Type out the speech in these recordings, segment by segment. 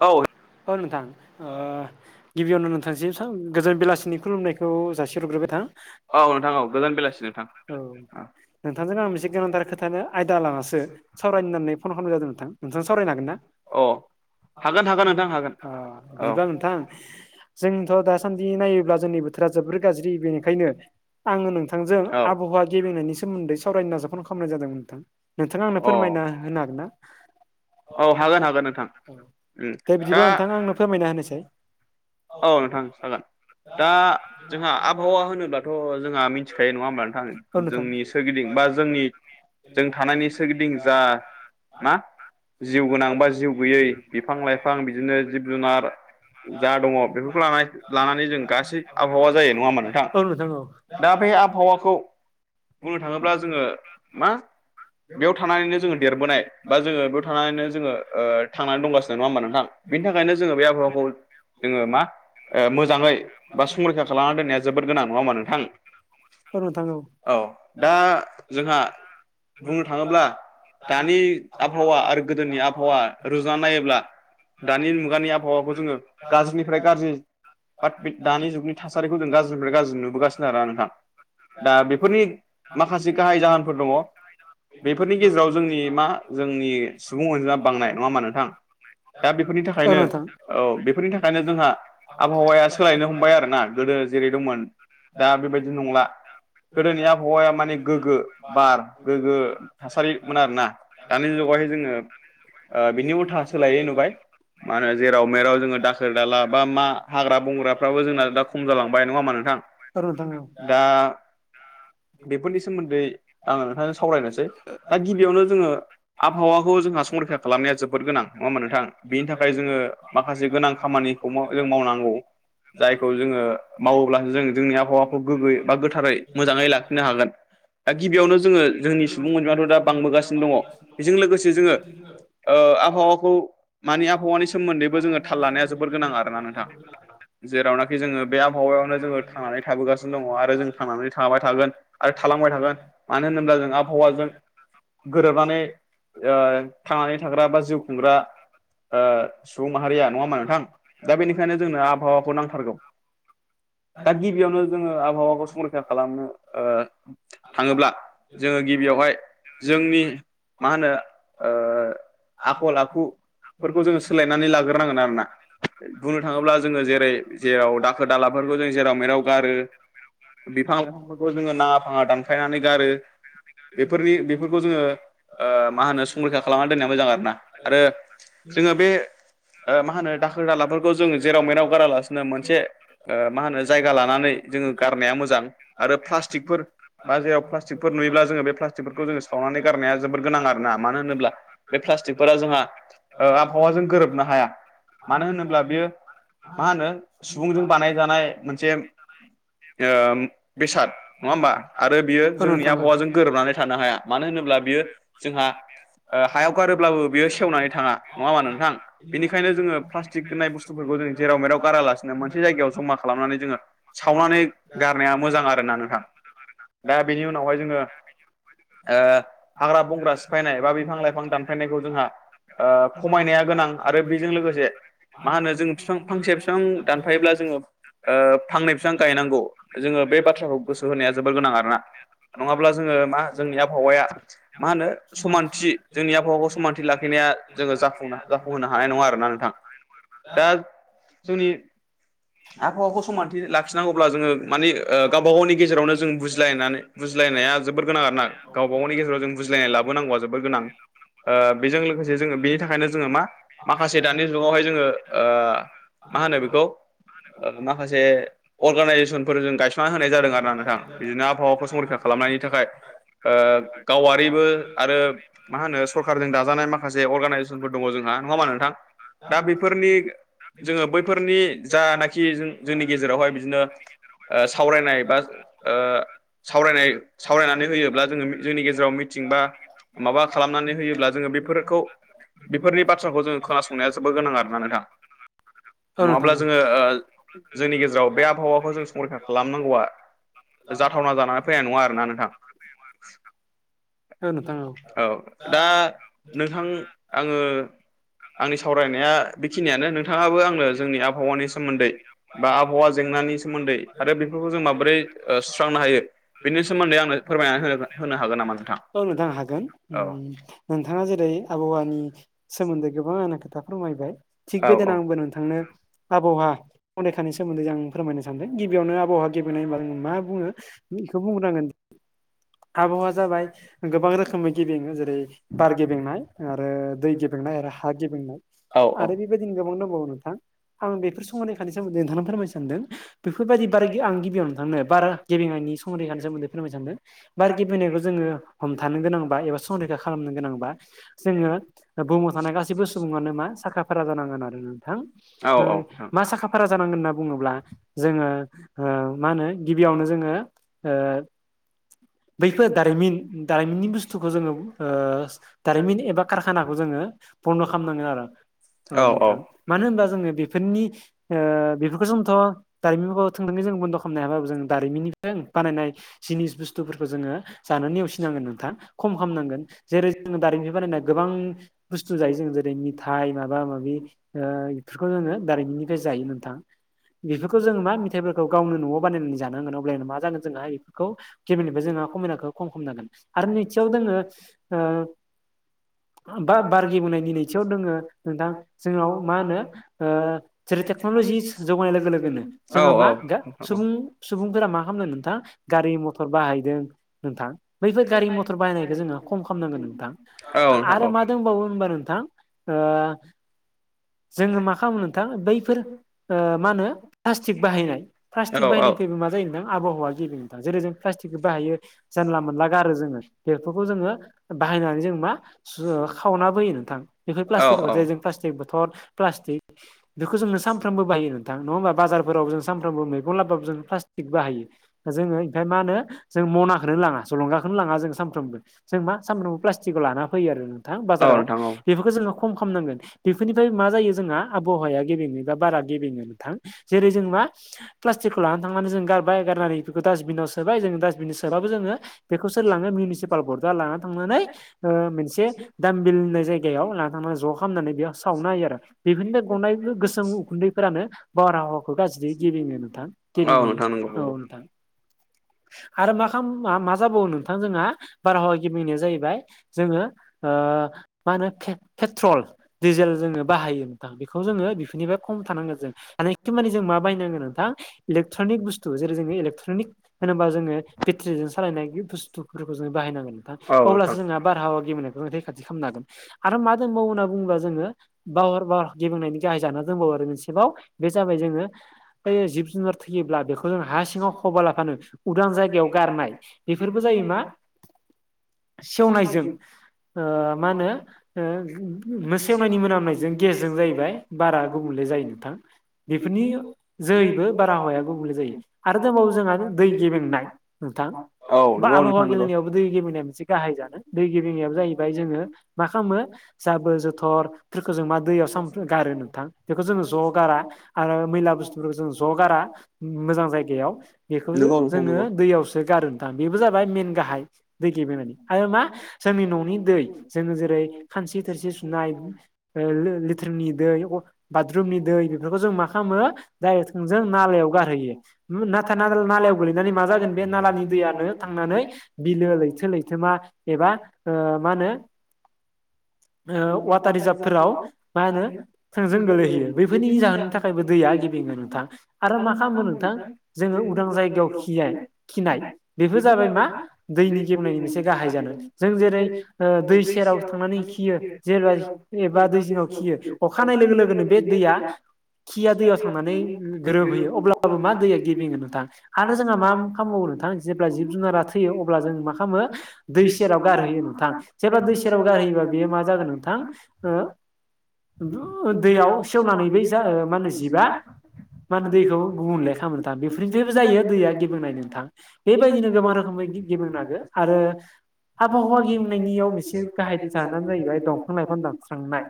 औ औ नोंथां गिबियावनो नोंथांसिम गोजोन बेलासिनि खुलुमनायखौ जासि हरग्रोबाय थां औ नोंथां औ गोजान बेलासि नोंथां औ नोंथांजों आं मोनसे गोनांथार खोथानो आयदा लानासो सावरायनो होननानै फन खालामनाय जादों नोंथां नोंथांजों सावरायनो हागोन ना? औ हागोन हागोन नोंथां हागोन अ औ बिदिबा नोंथां जोंथ' दासान्दि नायोब्ला जोंनि बोथोरा जोबोर गाज्रि बेनिखायनो आङो नोंथांजों औ आबहावा गेबेंनायनि सोमोन्दै सावरायनो नाजा फन खालामनाय जादों नोंथां नोंथाङा आंनो अ फोरमायना होनो हागोन ना औ हागोन हागोन नोंथां दे बिदिब्ला दा नोंथाङा आंनो फोरमायना होनोसै औ नोंथां जागोन दा जोंहा आबहावा होनोब्लाथ' जोंहा मिथिखायो नङा होम्बा नोंथां जोंनि सोरगिदिं बा जोंनि जों थानायनि सोरगिदिं जा मा जिउ गोनांबा जिउ गैयै बिफां लाइफां बिदिनो जिब जुनार जा दङ बेफोरखौ ल लानानै जों गासै आबहावा जायो नङा होम्बा नोंथां औ औ दा बे आबहावाखौ बुंनो थाङोब्ला जोङो मा बेयाव थानानैनो जोङो देरबोनाय बा जोङो बेयाव थानानैनो जोङो थांनानै दंगासिनो नङा होम्बा नोंथां बेनि थाखायनो जोङो बे आबहावाखौ जोङो मा ओ मोजाङै बा संरैखा खालामना दोननाया जोबोद गोनां नङा होम्बा नोंथां औ नोंथां औ दा जोंहा बुंनो थाङोब्ला दानि आबहावा आरो गोदोनि आबहावा रुजुनानै नायोब्ला दानि मुगानि आबहावाखौ जोङो गाज्रिनि। फ्राय गाज्रि बाट बे दानि जुगनि थासारिखौ जों गाज्रिनिफ्राय गाज्रि नुबोगासिनो आरोना नोंथां। दा बेफोरनि माखासे गाहाय जाहोनफोर दङ। बेफोरनि गेजेराव जोंनि मा जोंनि सुबुं अनजिमा बांनाय नङा मा नोंथां? दा बेफोरनि औ थाखायनो नोंथां औ बेफोरनि थाखाय। ओंखायनो जोंहा आबहावाया सोलायनो हमबाय आरो ना गोदो जेरै दंमोन। दा बेबायदि नंला। गोदोनि आबहावाया माने गोग्गो बार गोगो थासारिमोन आरो ना। [unintelligible] [inaudible] ओ बिनि उथा सोलायै नुबाय मा होनो जेराव मेराव जोङो दा खोर दाला बा मा हाग्रा बंग्राफ्राबो जोंना दा खम जालांबाय नङा हामा नोंथां? औ नोंथां औ दा बेफोरनि सोमोन्दै आङो नोंथां सावरायनोसै दा गिबियावनो जोङो आबहावाखौ जोंहा संरैखा खालामनाया जोबोद गोनां नंङा होनबा नोंथां? बेनि थाखाय जोङो माखासे गोनां खामानिखौ जों मावनांगौ। जायखौ जोङो मावोब्लासो जो जोंनि आबहावाखौ गोग्गोै बा गोथारै मोजाङै लाखिनो हागोन। दा गिबियावनो जोङो जोंनि सुबुं अनजिमाथ' दा बांबोगासिनो दङ बेजों लोगोसे जोङो ओ आबहावाखौ मानिे आबहावानि सोमोन्दैबो जोङो थाल लानाया जोबोर गोनां आरोना नोंथां [unintelligible] [inaudible] जेरावनाखि जोङो बे आबहावायावनो जोङो थांनानै थाबोगासिनो दङ आरो जों थांनानै थाबाय थागोन। आरो थालांबाय थागोन मानो होनोब्ला जों आबहावाजों गोरोबनानै ओ थांनानै थाग्रा बा जिउ खुंग्रा ओ सुबुं माहारिया नङा होनबा नोंथां? दा बेनिखायनो जोंनो आबहावाखौ नांथारगौ। [inaudible] [unintelligible] दा गिबियावनो जोङो आबहावाखौ संरैखा खालामनो ओ थाङोब्ला जोङो गिबियावहाय जोंनि मा होनो ओ आखल आखु लुस्लायनानै लाग्रो नांगोन आरोना। बुंनो थाङोब्ला जोङो जेरै जेराव दाखोर दालाफोरखौ जों जेराव मेराव गारो। बिफां लाइफांफोरखौ जोङो नाङा फाङा दानखायनानै गारो। बेफोरनि बेफोरखौ जोङो मा होनो संरैखा खालामनानै दोननाया मोजां आरोना आरो जोङो बे ओ मा होनो? दाखोर दालाफोरखौ जोङो जेराव मेनाव गारालासिनो मोनसे ओ मा होनो जायगा लानानै जोङो गारनाया मोजां। आरो प्लास्टिकफोर। बा जेराव प्लास्टिकफोर नुयोब्ला जोङो बे प्लास्टिकफोरखौ जोङो सावनानै गारनाया जोबोर गोनां आरोना मानो होनोब्ला बे प्लास्टिकफोरा जोंहा ओ आबहावाजों गोरोबनो हाया। मानो होनोब्ला बियो मा होनो सुबुंजों बानायजानाय मोनसे। ओ बेसाद नङा होमबा आरो बियो औ जोंनि नोंथां औ आबहावाजों गोरोबनानै थानो हाया मानो होनोब्ला बियो जोंहा [unintelligible] [inaudible] नङाहोनबा नोंथां? बेनिखायनो जोङो प्लास्टिक होननाय बुस्थुफोरखौ जो जेराव मेराव गारालासिनो मोनसे जायगायाव जमा खालामनानै जोङो सावनानै गारनाया मोजां आरोना नोंथां। दा बेनि उनावहाय जोङो ओ हाग्रा बंग्रा सिफायनाय बा बिफां लाइफां दानफायनायखौ जोंहा ओ खमायनाया गोनां आरो बेजों लोगोसे मा होनो जों बिफां फांसे बिफां दानफायोब्ला जोङो ओ फांनै बिफां गायनांगौ। जोङो बे बाथ्राखौ गोसो होनाया जोबोर गोनां आरोना नङाब्ला जोङो मा जोंनि आबहावाया मा होनो समानथि जोंनि आबहावाखौ समानथि लाखिनाया जोङो जाफुं जाफुंहोनो हानाय नङा आरो ना नोंथां। दा [unintelligible] जोंनि [inaudible] आबहावाखौ समानथि लाखिनांगौब्ला जोङो मानिे गावबा गावनि गेजेरावनो जों बुजिलायनानै बुजलायनाया जोबोर गोनां आरो ना गावबा गावनि गेजेराव जों बुजलायनाय लाबोनांगौआ जोबोर गोनां। ओ बेजों लोगोसे जोङो बेनि थाखायनो जोङो मा माखासे दानि जुगावहाय जोङो ओ मा होनो बेखौ माखासे अर्गानइजेसनफोर जों गायस'ना होनाय जादों आरो ना नोंथां बिदिनो आबहावाखौ संरैखा खालामनायनि थाखाय। ओ गावारिबो आरो मा होनो सरखारजों दाजानाय माखासे अर्गानाइज फोरबो दङ जोंहा नङा होमबा नोंथां? दा बेफोरनि जोङो बैफोरनि जानाखि जोंनि गेजेरावहाय बिदिनो ओ सावरायनाय बा ओ सावरायनाय सावरायनानै होयोब्ला जोङो जोंनि गेजेराव मिटिं बा माबा खालामनानै होयोब्ला जोङो बेफोर खौ बेफोरनि बाथ्राखौ जोङो खोनासंनाया जोबोर गोनां आरोना नोंथां औ नङाब्ला नोंथां जोङो ओ जोंनि गेजेराव बे आबहावाखौ जों संंरैखा खालामनांगौआ जाथावना जानानै फैनाय नङा आरोना नोंथां। औ नोंथां औ दा नोंथां आङो आंनि सावरायनाया बेखिनियानो नोंथाङाबो आंनो जोंनि आबहावानि सोमोन्दै बा आबहावा जेंनानि सो सोमोन्दै आरो बेफोरखौ जों माबोरै ओ सुस्रांनो हायो बेनि सोमोन्दै आंनो फोरमायना होनो होनो हागोन नामा नोंथां? औ‌ नोंथां हागोन उम। औ नोंथाङा जेरै आबहावानि सोमोन्दै गोबां आंनो खोथा फोरमायबाय। थिग औ बेदिनो औ आंबो नोंथांनो आबहावा संरैखानि सोमोन्दै आं फोरमायनो सानदों। गिबियावनो आबहावा गेबेंनायनि होनबा मा बुङो इखौ बुंग्रोनांगोन। आबहावा जाबाय गोबां रोखोमै गेबेङो जेरै बार गेबेंनाय आरो दै गेबेंनाय आरो हा। हा गेबेंनाय। औ औ। आरो बेबायदिनो गोबां दंबावो नोंथां आं बेफोर संरैखानि सोमोन्दै नोंथांनो फोरमायनो सानदों। बेफोरबायदि बार आं गिबियावनो थांनो बार गेबेंनायनि संरैखानि सोमोन्दै फोरमायनो सानदों बार गेबेंनायाबो जोङो हमथानो गोनांबा एबा संरैखा खालामनो गोनांबा जोङो बुहुमाव थानाय गासैबो सुबुङानो मा साखा फारा‌ जानांगोन आरो नोंथां औ ओ औ नोंथां मा साखा-फारा जानांगोन होनना बुङोब्ला जोङो ओ मा होनो गिबियावनो जोङो ओ बैफोर दारिमिन दारिमिननि बुस्थुखौ जोङो ओ दारिमिन एबा कारखानाखौ जोङो बन्द' खामनांगोन आरो औ नोंथां। मानो होनबा जोङो बेफोरनि ओ बेफोरखौ जोंथ' दारिमिनफोरखौ थोंजोङै जों बन्द' खामनो हायाबाबो जों दारिमिनिजों बानायनाय जिनिस बुस्थुफोरखौ जोङो जानो नेवसिनांगोन नोंथां खम खालामनांगोन जेरै जोङो दारिमिन बानायनाय गोबां बुस्थु जायो जों जेरै मिथाइ माबा-माबि बेफोरखौ जोङो दारिमिननिफ्राय जायो नोंथां। बेफोरखौ जों मा मेथाइफोरखौ गावनो न'आव बानायनानै जानांगोन अब्लाना मा जागोन जोंहा बेफोरखौ गिबिनिफ्राय जोंहा खमायनायखौ खम खामनो हागोन आरो नैथियाव दोङो ओ बा बार‌ गेबेंनायनि नैथियाव दोङो नोंथां जोंनाव मा होनो ओ जेरै टेक्न'ल'जि जौगानाय लोगो लोगो होनो जोंहा मा दा सुबुं सुबुंफोरा मा खामनो नोंथां। गारि मथर बाहायदों नोंथां। बैफोर गारि मथर बाहायनायखौ जोङो खम खामनांगोन नोंथां। औ। नोंथां आरो औ मा दोंबावो होनबा नोंथां ओ जोङो मा खालामो नोंथां बैफोर ओ मा होनो प्लास्टिक बाहायनाय प्लास्टिक औ औ बाहायनायनिफ्रायबो मा जायो नोंथां आबहावा गेबेंङो नोंथां जेरै जों प्लासस्टिकखौ बाहायो। जानला मानला गारो जोङो बेफोरखौ जोङो बाहायनानै जों मा ज खावनाबो होयो नोंथां। बेफोर औ प्लास्टिकफोरखौ जे जों प्लास्टिक बथल प्लास्टिक बेखौ जोंनो सानफ्रोमबो बाहायो। नोंथां नङा होमबा बाजारफोरावबो जों सानफ्रामबो मैगं लाबबाबो जों प्लास्टिक बाहायो दा जोङो ओंखायनो मा होनो जों मनाखोनो लाङा जलंगाखोनो लाङा जों सानफ्रोमबो। जों मा सामफ्रामबो प्लास्टिकखौ लाना फैयो आरो नोंथां औ बाजाराव नोंथां औ बेफोरखौ जोङो खम खामनांगोन। बेफोरनिफ्राय मा जायो जोंहा आबहावाया गेबेङै बा बारा गेबेङा नोंथां। जेरै जों मा प्लास्टिकखौ लानानै थांनानै जों गारबाय गारनानै। बेखौ डास्टबिनाव सोबाय जों डास्बिन सोआबाबो जोङो बेखौ सोर लाङो मिउनिसिपाल बर्डआ लानानै थांनानै। मोनसे दामबिल होननाय जायगायाव लाना थांनानै ज' खालामनानै बेयाव। सावनो हायो आरो बेफोरनो गनाय गोसोम उखुन्दैफोरानो बारहावाखौ गाज्रि गिबिङो नोंथां ओ नोंथां नंगौ ओ नोंथां आरो मा खाम मा मा जाबावो नोंथां जोंहा बारहावा गिबिनाया जाहैबाय जोङो ओ मा होनो फे-फेट्रल दिडिजेल जोङो बाहायो नोंथां बेखौ जोङो बेफोरनिफ्राय खम थानांगोन जों हानाय कि माने जों मा बायनांगोन नोंथां इलेकट्रनिक बुस्थु जेरै जोङो इलेकट्र'निक होनोबा जोङो बेटारिजों सालायनाय बुस्थुफोरखौ जोङो बाहायनांगोन। औ नोंथां अब्लासो जोंहा बारहावा गेेबेनायखौ रैखाथि खालामनो हागोन। आरो मा दंबाव होनना बुंबा जोङो बावार बार गिबनायनि गाहाय जाना दंबावो आरो मोनसेबाव बे जाबाय जोङो बे जिब जुनार थैयोब्ला बे खौ जों हा सिङाव फबा लाफानो उदां जायगायाव गारनाय बेफोरबो जायो मा सेवनायजों ओ मा होनो ओ मोसे नायनि मोनामनायजों गेसजों जाहैबाय बारा गुबुनले जायो नोंथां। बेफोरनि जोहैबो बारहावाया गुबुंले जायो। आरो दंबावो जोंहा दै गेबेंनाय नोंथां औ बा नंगौ आबहावा नोंथां नंगौ गेलेनायावबो दै गेबेंनाया मोनसे गाहाय जादों। दै गेबेंनाया जाहैबाय जोङो मा खामो जाबो-जथ' फोरखौ जों मा दैयाव साम गारो नोंथां बेखौ जोङो ज' गारा आरो मैला बुस्थुफोरखौ जों ज' गारा मोजां जायगायाव बेखौ नंगौ नंगौ जोङो दैयावसो गारो नोंथां बेबो जाबाय मेेन गाहाय। दै गेबेनानै आरो मा जोंनि न'नि दै जोङो जेरै-खानसि थोरसि ओ लो-लिथ्रनि दै बाथरुमनि दै बेफोरखौ जों मा खामो दायरेक्ट थोंजों नालायाव गारहोयो नाथाय ना- नालायाव गोलैनानै मा जागोन बे नालानि दैयानो थांनानै बिलो लैथो-लैथोमा एबा ओ मा होनो ओ वाटार रिजार्भफोराव मा होनो थोंजों गोलै होयो बैफोरनि जाहोननि था दैया गिबिङो नोंथां आरो मा खालामो नोंथां जोङो उदां जायगायाव खियाय-खिनाय बेबो जाबाय मा दैनि गेबनायनि मोनसे गाहाय जानो। जों जेरै ओ दै सेराव थांनानै खियो जे रै एबा दै जिङाव खियो अखानाय लोगो लोगोनो बे दैया खिया दैयाव थांनानै गोरोबहैयो अब्लाबो मा दैया गिबिङो नोंथां। आरो जोंहा मा खामबावो नोंथां जेब्ला जिब जुनारा थैयो अब्ला जों मा खालामो दै सेराव गारहोयो नोंथां जेब्ला दै सेराव गारहैयोबा बेयो मा जागोन नोंथां ओ दैयाव सेवनानै बै जा मा होनो जिबआ माने दैखौ गुबुनले खामो नोंथां बे निफ्रेबो जायो दैया गेबुंनाय नोंथां बेबायदिनो गोबां रोखोमै गेबुंनागो आरो आबहावा गेमनायनियाव मोनसे गाहाय जानो जाहैबाय दंफां-लाइफां दानस्रांनाय।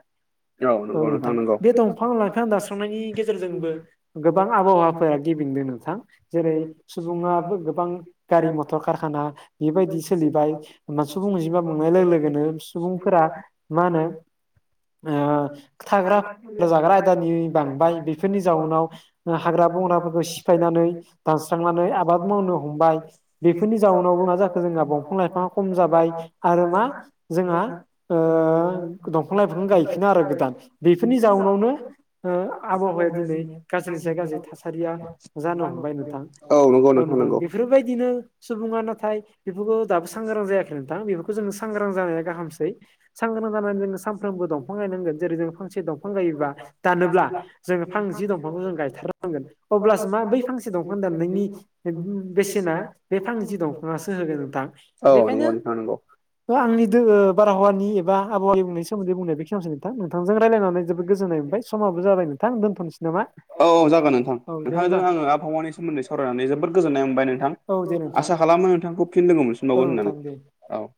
औ नंगौ नोंथां नंगौ बे दंफां-लाइफां दास्रांनायनि गेजेरजोंबो गोबां आबहावाफोरा गिबिंदो नोंथां जेरै- सुबुङाबो गोबां गारि मथर कारखाना बेबायदि सोलिबाय सुबुं अनजिमा बांनाय लोगो लोगोनो सुबुंफोरा मा होनो ओ थाग्रा जाग्रा आयदानि बांबाय बेफोरनि जाउनाव हाग्रा-बंग्राफोरखौ सिफाय नानै दानस्रांनानै आबाद मावनो हमबाय बेफोरनि जाउनावबो मा जाखो जोंहा बंफां-लाइफां खम जाबाय आरो मा जोंहा ओ दंफां-लाइफां गायफिनो आरो गोदान बेफोरनि जाउनावनो ओ आबहावाया दिनै गाज्रिनिसाय गाज्रि थासारिया जानो हमबाय नोंथां नंगौ औ नों नोंथां बेफोरबायदिनो सुबुङा नाथाय बेफोरखौ दाबो सांग्रां जायाखै नोंथां बेफोरखौ जों सांग्रां जानाया गाहामसै साग्रां जोंनो सानफ्रोमबो दंफां गायनांगोन जेरै जों फांसे दंफां गायोबा दानोब्ला जोङो फांसे दंफांखौ जों गायथारनांगोन अब्लासो मा बै फांसे दंफां दाननायनि बेसेना बे फां जि दंफाङासो होगोन नोंथां औ बेखायनो नंगौ नोंथां नंगौ ब आंनि दो बारहावानि एबा आबहावा गेब्रेंनायनि बुंनायनि सोमोन्दै बुंनाय बेखिनिसै नोंथां नों नोंथांजों रायलायनानै जबोद गोज्नाय ओमफ्राय समाबो जाबाय नोंथां दोनथ'सै नामा औ जागोन नोंथां औ दे नोंथांजों होमबा आङो आबहावानि सोमोन्दै सावरायनानै जोबोद गोजोननाय मोनबाय नोंथां औ दे नोंथां आसा खालामो नोंथांखौ फिन लोगो औ मोनफिनबावगोन नोंथां होननानै दे औ